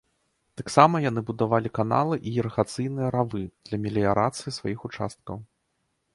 Таксама яны будавалі каналы і ірыгацыйныя равы для меліярацыі сваіх участкаў.